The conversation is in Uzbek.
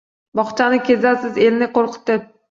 Bog’chani kezasiz, elni qo’rqitib?